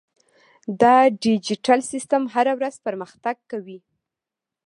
دا ډیجیټل سیستم هره ورځ پرمختګ کوي.